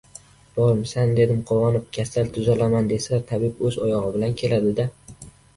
— Bormisan! — dedim quvonib. — Kasal tuzalaman desa, tabib o‘z oyog‘i bilan keladi-da.